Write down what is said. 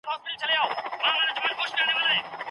د ميرويس خان نيکه په واکمنۍ کي باغونه څومره زیات سول؟